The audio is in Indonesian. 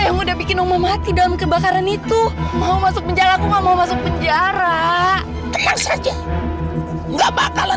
yang udah bikin umat dalam kebakaran itu mau masuk penjara mau masuk penjara nggak bakalan